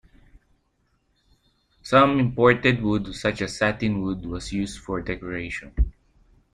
Some imported wood such as satinwood was used for decoration.